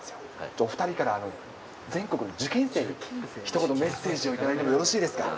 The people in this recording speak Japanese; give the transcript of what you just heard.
お２人から全国の受験生にひと言、メッセージをいただいてもよろしいですか？